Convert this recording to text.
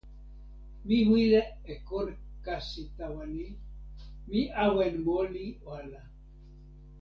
mi wile e kon kasi tawa ni: mi awen moli ala.